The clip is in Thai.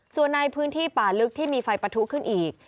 ส่วนในพื้นที่ป่าลึกที่มีไฟปะทุขึ้นอีก